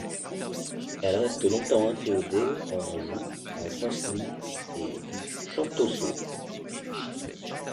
Elle reste longtemps inféodée en Anjou entre Ancenis et Champtoceau.